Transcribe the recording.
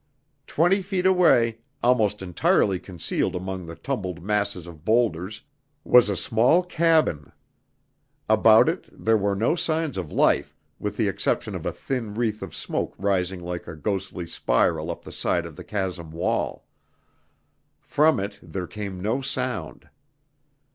Twenty feet away, almost entirely concealed among the tumbled masses of boulders, was a small cabin. About it there were no signs of life with the exception of a thin wreath of smoke rising like a ghostly spiral up the side of the chasm wall; from it there came no sound.